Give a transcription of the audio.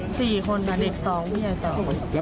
๔คนอ่ะ